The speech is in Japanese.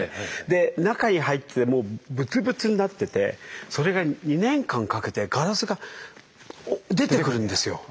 で中に入ってもうぶつぶつになっててそれが２年間かけてガラスが出てくるんですよ。